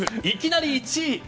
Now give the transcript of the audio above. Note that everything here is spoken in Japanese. いきなり１位！